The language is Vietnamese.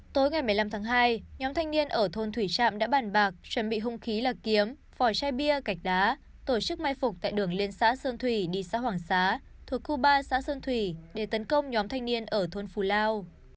tối ngày một mươi năm tháng hai nhóm thanh niên ở thôn thủy trạm đã bàn bạc chuẩn bị hung khí là kiếm vỏ chai bia gạch đá tổ chức mai phục tại đường liên xã sơn thủy đi xã hoàng xá thuộc khu ba xã sơn thủy để tấn công nhóm thanh niên ở thôn phù lao